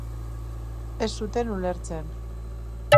Ez zuten ulertzen.